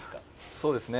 そうですね。